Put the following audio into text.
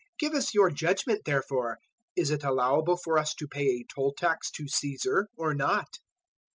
022:017 Give us your judgement therefore: is it allowable for us to pay a poll tax to Caesar, or not?"